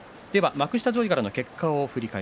幕下上位からの結果です。